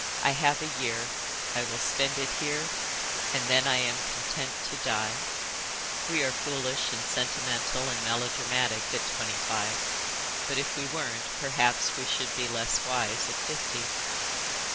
'I have a year. I will spend it here and then I am content to die.'" "We are foolish and sentimental and melodramatic at twenty five, but if we weren't perhaps we should be less wise at fifty."